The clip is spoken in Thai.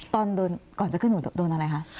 ตอนก่อนจะขึ้นหนูโดนอะไรคะ